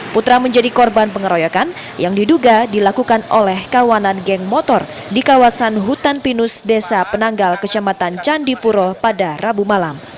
putra menjadi korban pengeroyokan yang diduga dilakukan oleh kawanan geng motor di kawasan hutan pinus desa penanggal kecamatan candipuro pada rabu malam